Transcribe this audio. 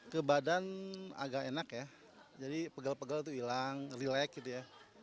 ke badan agak enak ya jadi pegel pegel itu hilang relax gitu ya